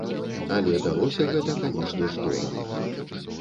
Але далося гэта, канешне ж, дорага.